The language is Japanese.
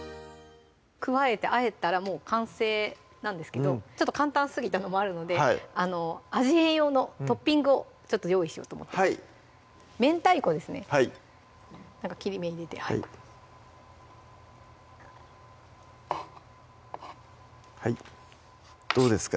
加えてあえたらもう完成なんですけどちょっと簡単すぎたのもあるので味変用のトッピングをちょっと用意しようと思って明太子ですねなんか切り目入れてはいどうですか？